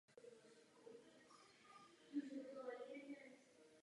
N. Ostrovského vytvořil Vincenc Červinka.